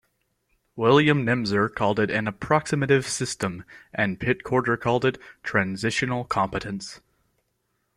William Nemser called it an "approximative system" and Pit Corder called it "transitional competence".